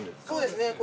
そうですね。